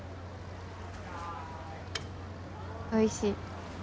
おいしい。